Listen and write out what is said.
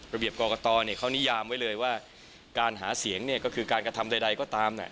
ระเบียบกรกตเขานิยามไว้เลยว่าการหาเสียงเนี่ยก็คือการกระทำใดก็ตาม